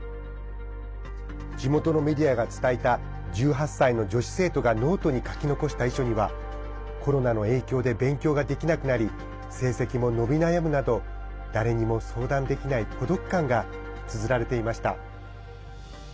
地元のメディアが伝えた１８歳の女子生徒がノートに書き残した遺書にはコロナの影響で勉強ができなくなり成績も伸び悩むなど誰にも相談できない孤独感がつづられていました。